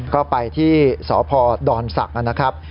ก็ไปที่สพดศักดิ์นะครับ